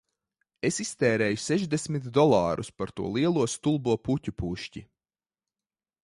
Es iztērēju sešdesmit dolārus par to lielo stulbo puķu pušķi